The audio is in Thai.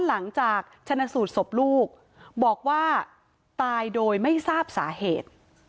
หลังจากชนะสูตรศพลูกบอกว่าตายโดยไม่ทราบสาเหตุ